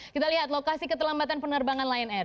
kita lihat lokasi keterlambatan penerbangan lion air